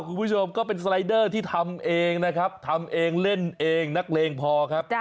คุณผู้ชมก็เป็นสไลเดอร์ที่ทำเองนะครับทำเองเล่นเองนักเลงพอครับ